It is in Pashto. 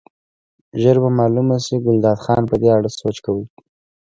ژر به معلومه شي، ګلداد خان په دې اړه سوچ کوي.